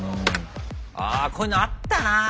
ああこういうのあったなあ。